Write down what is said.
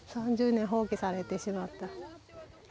３０年放棄されてしまった。